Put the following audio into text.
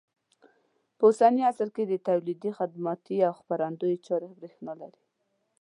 په اوسني عصر کې د تولیدي، خدماتي او خپرندوی چارې برېښنا لري.